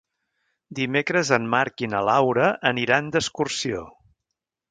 Dimecres en Marc i na Laura aniran d'excursió.